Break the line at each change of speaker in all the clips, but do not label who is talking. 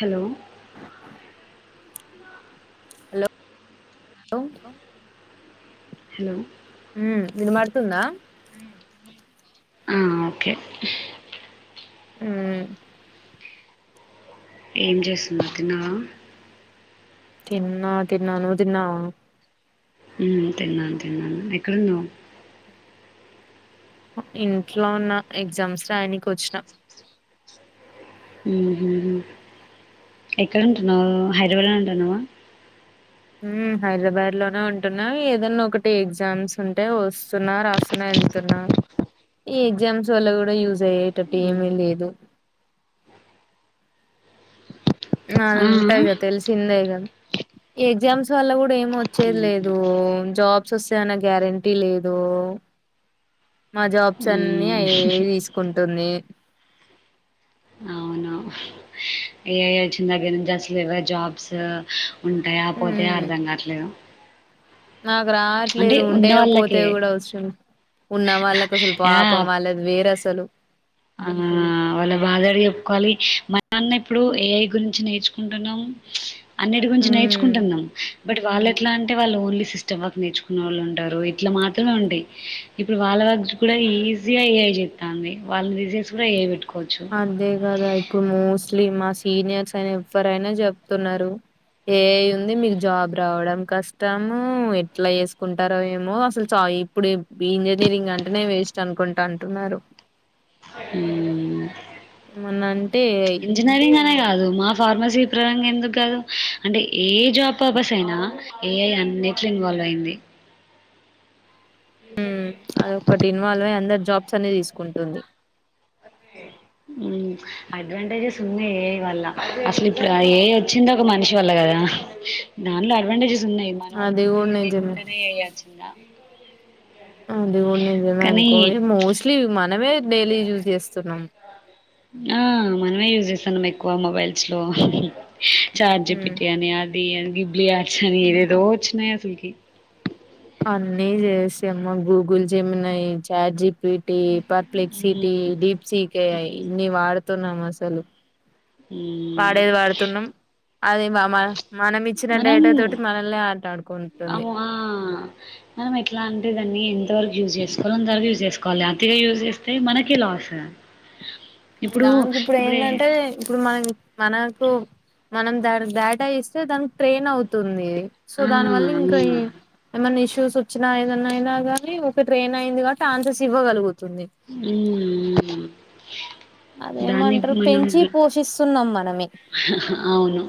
Hello
అౌంట్
hello
ఉమ్ వినబడుతుందా
ఆ okay
ఉమ్
ఏం చేస్తున్నవ్ తిన్నవా
తిన్నా తిన్నాను నువ్వు తిన్నవా
హుమ్ తిన్నాను తిన్నాను ఎక్కడున్నావ్
ఇంట్లో ఉన్న ఎగ్జామ్స్ రాయినికి వచ్చిన
హు హు హుమ్ ఎక్కడ ఉంటున్నావ్ హైదరాబాద్లో ఉంటున్నావా
ఉమ్ హైదరాబాద్ లోనే ఉంటున్నా ఏదైన్నా ఒకటి ఎగ్జామ్స్ ఉంటే వస్తున్నా రాస్తున్నా వెతున్నా ఈ ఎగ్జామ్స్ వల్ల కూడా యూజ అయ్యేటట్టు ఏమీ లేదు నాన్
ఆ,
ఉంటా
ఆ?
తెలిసిందే కదా ఎగ్జామ్స్ వల్ల కూడా ఏమి వచ్చేది లేదు జాబ్స్ వస్తాయ్ అన్న గ్యారెంటీ లేదు
[inaudible]
మా జాబ్స్ అన్ని ఆ ఏ
ఉమ్,
ఐ తీసుకుంటుంది
అవును ఏఐ వచ్చిన దగ్గర నుంచి అసలు ఎవర్ జాబ్స్ ఉంటాయి పోతాయా
ఉమ్
అర్ధం కాట్లేదు
నాకు రావట్లేదు ఉంటే పోతే
వాళ్ళకే
కూడా అవసరం ఉన్నా వాలకు అసలు పాపం వాళ్ళది వేర్ అసలు
ఆమ్ వాళ్ళ బాధ ఎవరికి చెప్పుకోవాలి మనం అన్న ఇప్పుడు ఏఐ గురించి నేర్చుకుంటున్నాం అన్నిటి గురించి
ఉమ్
నేర్చుకుంటున్నాం బట్ వాళ్ళు ఎట్లా అంటే వాళ్ళు ఓన్లీ సిస్టమ్ వర్క్ నేర్చుకునే వాళ్ళు ఉంటారు ఇట్లా మాత్రమే ఉంటాయి ఇప్పుడు వాళ్ ళ్ళ కూడా ఈజీగా ఏ ఐ చేస్తంది వాళ్ళని తీసేసి కూడా ఏ ఐ పెట్టు
అదే కదా ఇప్పుడు మోస్ట్లీ మా సీనియర్స్ అయిన ఎవ్వరైనా చెప్తున్నారు ఏ ఐ ఉంది మీకు జాబ్ రావడం కష్టము ఎట్లా చేసుకుంటారో ఏమో అసలు చ ఇప్పుడు ఇంజనీరింగ్ అంటేనే వేస్ట్ అనుకుంటా అంటున్నారు
హ్మ్
మొన్నా
ఇంజనియరింగ్ అనే కాద్ దు మా ఫార్మసీ పరంగా ఎందుకు కాదు అంటే ఏ జాబ్ పర్పస్ అయినా ఏ ఐ అట్లా ఇన్వాల్వ్ అయింది
హ్మ్ అదొకటి ఇన్వాల్వ్ అయ్యి అందరీ జాబ్స్ అన్ని తీసుకుంటుంది
అ హ్మ్ అడ్వాంటేజెస్ ఉనాయి ఏఐ వల్ల అసలు ఇప్పుడు ఏఐ వచ్చిందే ఒక మనిషి వల్ల కదా హా దానిలో అడ్వాంటేజెస్ ఉన్నాయి మన వల్ల
అది కూడా
తెలివి
నిజమే
లేకుండానే ఇగ వచ్చిందా
అది కూడా నిజమే
కానీ
అనుకో ఇగ మోస్ట్లీ మనమే డైలీ యూజ్ చేస్తున్నాం
ఆ మనమే యూజ్ చేస్తాన్నాం ఎక్కువ మొబైల్స్ లో చాట్ జి పి
హ్మ్
టి అని అది గిబ్లి ఆర్ట్స్ అని
హ్మ్ అ
ఏదేదో వచ్చినాయి అసలుకి
అన్నీ చేశాం Google Gemini chat G P T perplexity
హ్మ్
డీప్ సీకే ఇన్ని వాడుతున్నాం అసలు
హ్మ్
వాడేది వాడుతున్నాం అది మమ
మనం
ఆటాడుకుంటుంది.
అవు ఆ మనం ఎట్లా ఆన్ అే దాన్ని ఎంతవరకు యూస్ చేసుకోలో అంతవరకు యూజ్ చేసుకోలి అతిగా యూజ చేస్తే మనకె లాస్ [inaudible]
దానికి ఇప్పుడు
ఇప్పుడే
ఏదంటే ఇప్పుడు మనం మనకు మనం దానికి డేటా ఇస్తే దానికి ట్రైన్ అవుతుంది సో
ఆ
దాని వల్ల
అవునా
ఇంకా ఎ ఏమన్నా ఇష్యూ స్ చూసి వచ్చినా ఏదన్నాయినా కానీ ఒక ట్రైన్ అయింది కాబట్టి ఆన్సర్స్ ఇవ్వగలుగు
హ్మ్
అదేమంటారు పెంచి పోషిస్తున్నాం మనమే
హా హా అవును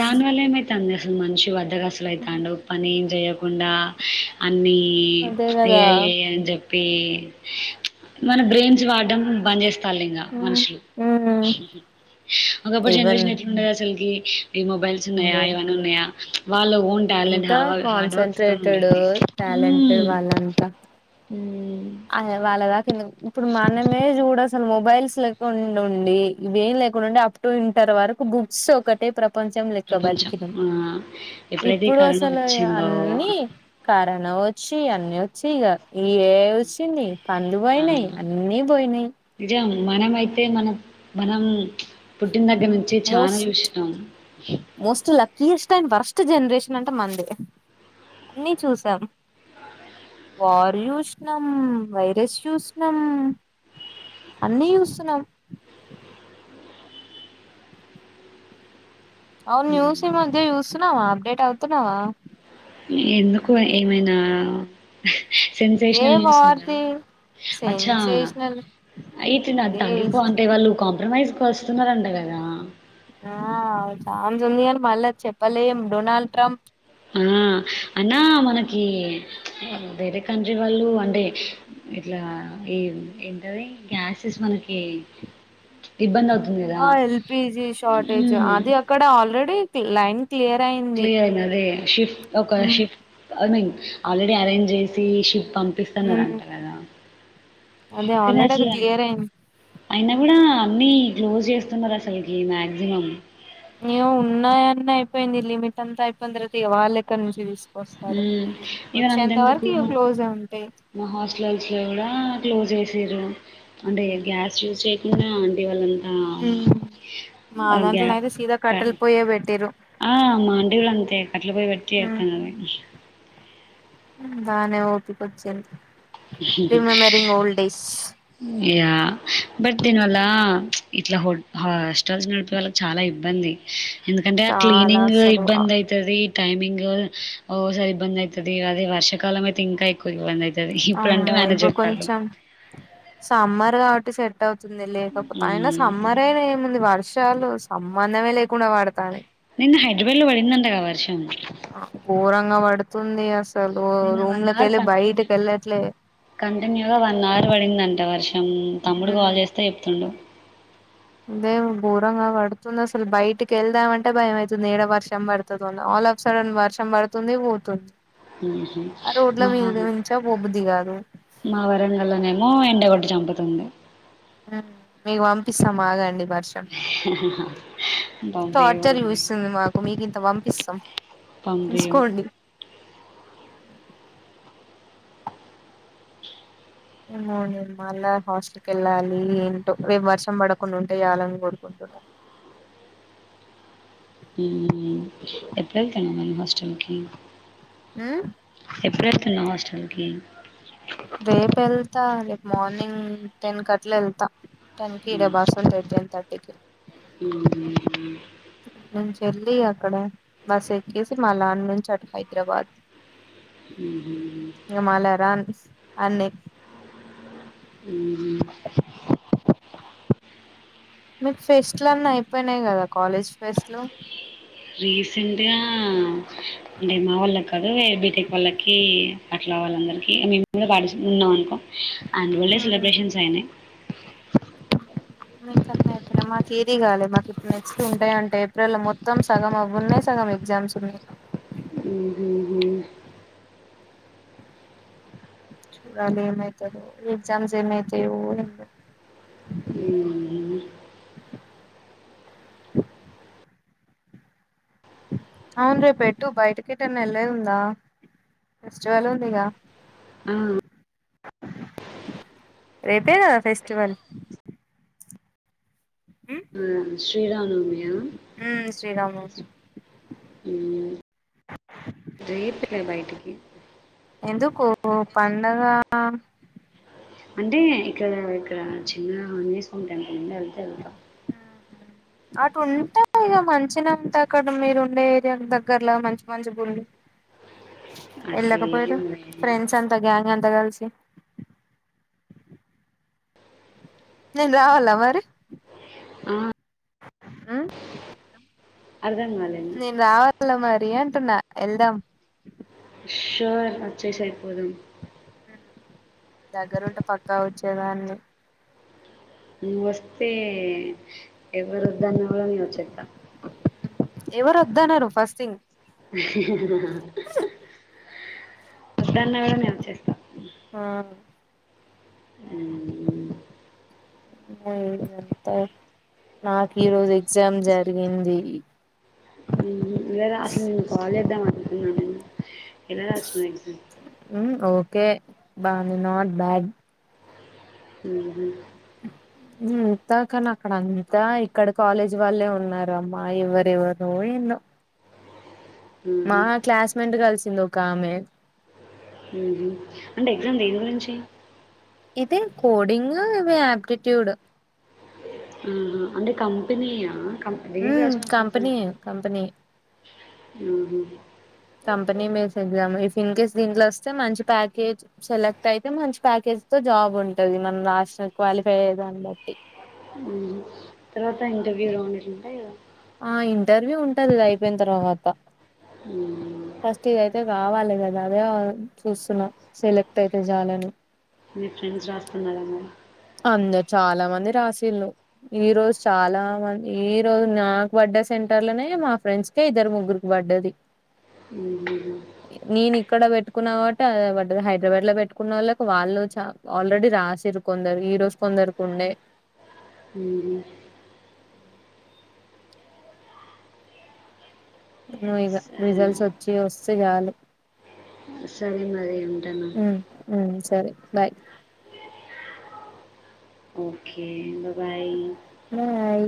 దానివల్ల ఏమైతంది తెల్సా మనిషి వల అ అసలు అయితండు పని ఏం చేయకుండా అ దీ
అదే
ఎ
కదా
ఐ ఎ ఐ అని చెప్పి ఏ మన బ్రెయిన్స్ వాడం బంద్ చేస్త తల్లింగా మనుషులు
ఉమ్
ఒకప్పుడు
ఈవెన్
జనరేషన్ ఎట్లుండే అసలకి ఈ మొబైల్స్ ఉన్నాయా ఏవన్న ఉన్నాయా వాళ్ళ ఓన్ టాలెంట్
అంతా
హవా హార్డ్ వర్క్స్ తోనీ
కాన్సన్ట్రేటెడ్
ఉండేది
టాలెంటెడ్
హ్మ్
అదే వాళ్ళ దాకా ఎందుకు ఇప్పుడు మనమే చూడ అసలు మొబైల్స్ లేకుండా ఉండి ఇవేం లేకుండా ఉండే అప్ టు ఇంటర్ వరకు బుక్స్ ఒకటే ప్రపంచం లెక్క
ప్రపంచం
బతికినం
ఆ ఎప్పుడైతే ఈ
ఇప్పుడు
కరోనా
అసలు
వచ్చిందో
అన్నీ కరోనా వచ్చి అన్ని వచ్చి ఇగ ఏ ఐ వచ్చింది పన్లు పొయినై అన్నీ బొయినై
మనమయితే మనం మనం న్ దగ్గర్నుంచి ఛానా
మోస్ట్
జూష్నం
కాని వరస్ట్ జనరేషన్ అంటే మన్దే అన్నీ చూసాం వార్ యూష్ణం వైరస్ యూస్నం అన్నీ యూస్తున్నాం అవున్న్యూస్ ఈ మధ్య చూస్తున్నవా అప్డేట్ అవుతున్నవా
ఎందుకు ఏమైనా
ఇదే
సెన్సేష్నల్ న్యూసుందా
వార్ది
అచ్చా
సెన్సేషనల్
అయితే నా
ఇదే
[unintelligible] వాళ్ళు కాంప్రమైజ్ కొస్తున్నరాంట గదా
ఆ చాన్సుంది గని మళ్ళ చెప్పలేం డొనాల్డ్ ట్రంప్
ఆ అయినా మనకీ వేరే కంట్రీ వాళ్ళూ అంటే ఇట్లా ఈ ఏంటది గ్యాసెస్ మనకీ ఇబ్బందవు
ఆ ఎల్. పీ. జీ. షార్టేజ్ అది అక్కడ ఆల్రెడీ ఫిల్లై క్లియర్ అయింది
క్లియర్ అదే షిఫ్ట్ ఒక
ఉమ్,
షిఫ్ట్ ఐ మీన్ ఆల్రెడీ అరేంజేసీ షిఫ్
ఉమ్,
పంపిస్తన్నరంట గదా
అదే ఆల్రెడీ అది
ఫినాషియన్
క్లియర్ అయింది
అయినా గుడా అన్నీ క్లోజ్జేస్తున్నరసల్కీ మ్యాగ్జిమం
ఏవొ ఉన్నాయన్నయిపోయింది లిమిట్ అంతా అయిపోయిన్ తర్వాత ఇగ వాళ్లేక్క నుంచి తీసు
మ్మ్ ఇగ గంతెందుకూ
ఇక క్లోజే ఉంటాయి
మా హాస్ట్లల్స్ లో కూడా క్లోజ్ చేశీరు అంటే గ్యాస్ యూస్ చేయకుండా ఆంటి వాళ్ళం
ఉమ్మ్ మా దాంట్లొనైతే సీదా కట్టలి పొయ్యే పెట్టిరు
ఆ మా ఆంటి గూడ అంతే కట్లెపొయ్యి పెట్టి
హ్మ్.
చేత్తందామె
బానే ఓపికొచ్చింది remembering old days
yeah but నీనలా ఇట్లా హొట్ హాస్టాల్స్ నడిపే వాళ్ళక్ చాలా ఇబ్ బ్బంది ఎందుకంటే ఆ
చాలా
క్లీనింగ్
అసలు అ
ఇబ్బందైతది టైమింగూ ఒ ఓసారి ఇబ్బందయితది అదే వర్షకాలం అయితే ఇంకా ఎక్ కువ ఇబ్బందైతది ఇప్పుడంటే
అమ్మో ఇప్పుడు
మ్యానేజ్జెత్తాండు
కొంచెం సమ్మర్ కాబట్టి సెట్ అవుతుంది లేకపొ
హ్మ్.
అయినా సమ్మర్ అయినా ఏముంది వర్ షాలు సంబంధమే లేకుండ పడతానై
నిన్న హైడ్రబాడ్ లో పడిందంటగా వర్షం
ఘోరంగ పడుతుందే అసలూ
నిన్న అవర్
రూమ్లకెళ్ళి
కంటిన్యూ
బయటికిళ్ళట్లే
కంటిన్యూగా వన్ అవర్ పడిందంట వర్షం తమ్ముడు కాల్ చేస్తే చెప్తుండు
దే ఘోరంగా పడుతుందసలు బయటికెళ్దాం అంటే భయం అయితుంది ఏడ వర్షం పడుతదోన లఫ్ సడన్ వర్షం పడుతుంది పోతుంది రోడ్ల
ఆ ఆ
మీద
అ
నుంచా పోబుద్ది కాదు
మా వరంగల్లనేమో ఎండగొట్టి చంపుతుంది
హుమ్ మీకు పంపిస్తం ఆగండి వర్షం
పంపియ్యు
టార్చర్
పంపియ్యు.
యూపిస్తది మాకు మీకింత పంపిస్తం
పంబియం
ఏమో నేను మళ్ళా హాస్ట కెళ్ళాలీ ఏంటో రేపు వర్షం బడకుండ ఉంటే జాలని కొడుకు
ఉమ్ ఎప్పుడెళ్తానవ్ మరి హాస్టల్కి
ఉమ్
ఎప్పుడేల్తున్నవ్ హాస్టల్కి
రేపెళ్తా రేప్ మార్నింగ్ టెన్ కట్లెళ్తా టన్కీడ బస్సుంటది టెన్ తర్టీకి నుంచెల్లి ఇగక్కడ బస్ ఎక్కేసి మళ్ళ ఆన్నుంచటు హైద్రాబాద్ ఇగ మళ్ల రాన్ అన్ని
ఉహు
మీకు ఫెస్ట్లు అన్ని అయిపోయినయి కదా కాలేజ్ ఫెస్ట్లు
రీసెంట్గా అంటే మా వాళ్ళకి కాదు బీటెక్ వాళ్ళకి అట్లావాలందరి ఇగ మేము కూడా పాటిస్ ఉన్నాం అనుకో అందులోనే
ఉమ్
సెలబ్రేషన్స్ అయినయి
మీకన్నా ఇప్పుడ మాకు ఏదిగాలె మాకు ఇప్పుడు నెక్స్ట్ ఉంటయి అంటే ఏప్రిల్ లో మొత్తం సగం అవి ఉన్నయి సగం ఎగ్జామ్స్ ఉన్నయి
ఉహు
చూడాలి ఏమైతదో ఎగ్జామ్స్ ఏమైతాయో ఏమో
ఉహు
అవును రేప్ ఎట్టు బయటికేటన్ ఎలెదుందా ఫెస్టివల్ ఉందిగా
ఆ,
రేపేకద ఫెస్టివల్ ఉ
ఆ శ్రీరామనవమి కదా
శ్రీరామనవమి
ఊ రేపు రా బయటికి
ఎందుకు పండగ
అంటే ఇక్కడ ఇక్కడ చిన్న ఆంజనేయ స్వామి టెంపుల్ వుంది వెళ్తే వెళ్తా
అటు ఉంటే ఇక మంచిన ఉంటే అక్కడ మీరు ఉండే ఏరియా దగ్గరలా మంచి మంచి గుళ్ళు ఎళక పోయిరు
అట్లేం లేదు.
ఫ్రెండ్స్ అంత గా గంత కలిసి నేన్ రావాలా మరి
ఆ
ఉ
అర్థం కాలేదు
నేను రావాల మరి అంటున్న వెళ్దాం
షుర్ వచేసెయ్ పోదం
దగ్గరుంటే పక్కా వచ్చేదాన్ని
నువ్ వస్తే ఎవరు దాని విల్వనే విల్వ చెత
అద్దనరు ఫస్టింగ్
వస్తా అన్న కదా నేను వచ్చేస్తా
ఆ
హ్మ్
ఇదంతా నాకు ఈ రోజు ఎగ్జామ్ జరిగింది
లేద అసల్ నేను కాల్ జేద్దామనుకుంటున్నాను నేను తినరా స్వీట్స్
ఓకే బావుంది నాట్ బ్యాడ్
ఊహూ
ఇంతా కాని అక్కడ అంతా ఇక్కడ కాలేజీ వాళ్ళే ఉన్నారు అమ్మా ఎవరెవరు ఎన్నో మా
మ్మ్.
క్లాస్మేంట్ గలిసింది ఒక ఆమె
ఊహు అంటే ఎగ్జామ్ దేని గురించి
ఇది కోడింగ్ ఇవి ఆప్టిట్యూడ్
ఆహా అంటే కంపెనీయా కం దేనికి
హ్మ్
రాసిన అసలు
కంపెనీ
ఎగ్జామ్కి
కంపెనీ
మ్మ్.
Company mails exam in case దీంట్లో వస్తే మంచి ప్యాకేజ్ సెలెక్ట్ అయితే మంచి ప్యాకేజ్ తో జాబ్ ఉంటంది మనం లాస్ట్ సో క్వాలిఫై అయ్యే దాన్ని బట్టి
ఉమ్ తర్వాత ఇంటర్వ్యూ లు ఉంటాయా
ఆ ఇంటర్వ్యూ ఉంటది గా అయిపోయిన తర్వాత
ఉమ్
ఫస్ట్ ఇది అయితే కావాలి కదా అదే చూస్తున్నా సెలెక్ట్ అయితే చాలని
మీ ఫ్రెండ్స్ రాస్తున్నారన్న
ఇంకా చాలా మంది రాసీళ్ళు ఈ రోజు చాలా మంది ఈ రోజు నాకు వడ్డ సెంటర్ లోనే మా ఫ్రెండ్స్కే ఇద్దరు ముగ్గురుకి పడి పడ్డది
మ్మ్ హ్మ్
కున్నవంటే హైదరాబాద్ లో పెట్టుకున్న వాళ్ళకి వాళ్ళు చ ఆల్రెడీ రాసిరు కొందరు ఈ రోజు కొందరుకు ఉండే
మ్మ్
నువు ఇక
సరే
రిజల్ట్స్ వచ్చి వస్తే చాలు
సరే మరి ఉంటాను
హ్మ్మ్ హ్మ్మ్ సరే బాయ్
ఓకే బా బాయ్
బాయ్